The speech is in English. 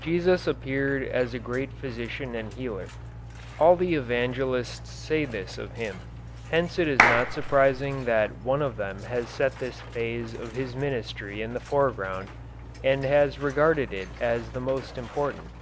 Jesus appeared as a great physician and healer. All the evangelists say this of Him; hence it is not surprising that one of them has set this phase of His ministry in the foreground, and has regarded it as the most important.